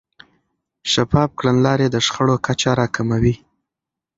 شفاف کړنلارې د شخړو کچه راکموي.